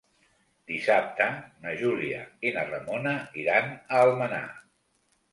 Dissabte na Júlia i na Ramona iran a Almenar.